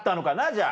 じゃあ。